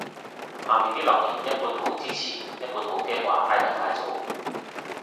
下面啲留言一半好支持一半好驚話嗌得太早